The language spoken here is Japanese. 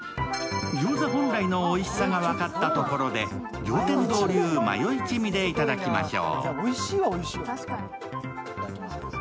餃子の本来のおいしさが分かったところで餃天堂流マヨ一味で頂きましょう。